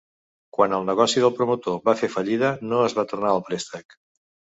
Quan el negoci del promotor va fer fallida, no es va tornar el préstec.